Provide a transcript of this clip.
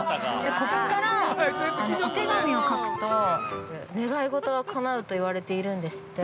こっからお手紙を書くと願い事がかなうといわれているんですって。